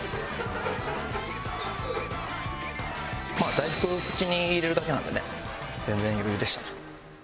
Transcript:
大福口に入れるだけなんでね全然余裕でした。